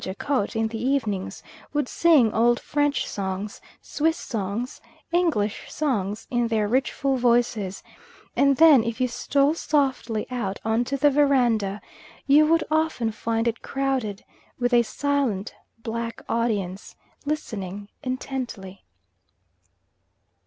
Jacot in the evenings would sing old French songs, Swiss songs, English songs, in their rich full voices; and then if you stole softly out on to the verandah, you would often find it crowded with a silent, black audience, listening intently.